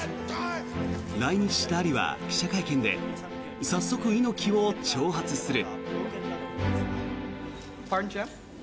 来日したアリは記者会見で早速、猪木を挑発する。